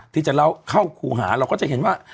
ที่จะเล่าเข้าครูหาเราก็จะเห็นว่า